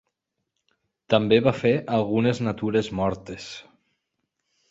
També va fer algunes natures mortes.